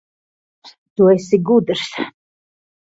Tu esi gudrs.